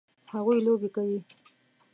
هغوی لوبې کوي